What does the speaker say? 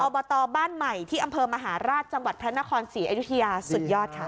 บตบ้านใหม่ที่อำเภอมหาราชจังหวัดพระนครศรีอยุธยาสุดยอดค่ะ